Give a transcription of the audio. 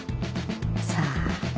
さあ。